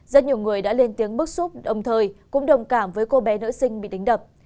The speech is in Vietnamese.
rất nhiều người đã lên tiếng bức xúc đồng thời cũng đồng cảm với cô bé nữ sinh bị đánh đập